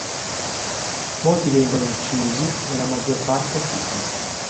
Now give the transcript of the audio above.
Molti vengono uccisi e la maggior parte fugge.